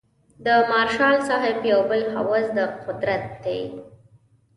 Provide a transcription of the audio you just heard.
د مارشال صاحب یو بل هوس د قدرت دی.